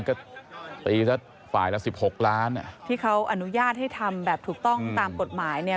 ก็ตีละฝ่ายละสิบหกล้านอ่ะที่เขาอนุญาตให้ทำแบบถูกต้องตามกฎหมายเนี่ย